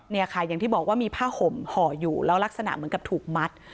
เนี่ยค่ะอย่างที่บอกว่ามีผ้าห่มห่ออยู่แล้วลักษณะเหมือนกับถูกมัด